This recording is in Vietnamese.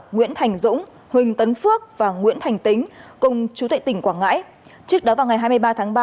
nguyễn thành dũng huỳnh tấn phước và nguyễn thành tính cùng chú tệ tỉnh quảng ngãi trước đó vào ngày hai mươi ba tháng ba